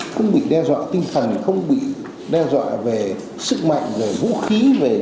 không bị đe dọa tinh thần không bị đe dọa về sức mạnh về vũ khí